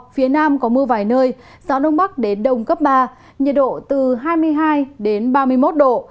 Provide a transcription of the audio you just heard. phía nam có mưa vài nơi gió đông bắc đến đông cấp ba nhiệt độ từ hai mươi hai ba mươi một độ